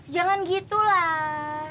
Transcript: jangan gitu lah